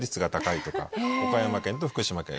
岡山県と福島県。